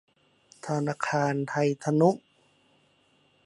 ธนาคารไทยทนุ